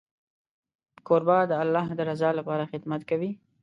کوربه د الله د رضا لپاره خدمت کوي.